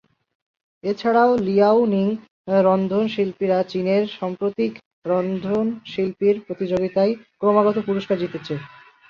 এছাড়াও, লিয়াওনিং রন্ধনশিল্পীরা চীনের সাম্প্রতিক রন্ধনশিল্প প্রতিযোগিতায় ক্রমাগত পুরস্কার জিতেছে।